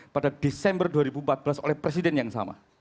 pada desember dua ribu empat belas oleh presiden yang sama